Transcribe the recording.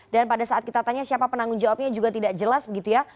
dan pada saat kita tanya siapa penanggung jawabnya juga tidak jelas begitu ya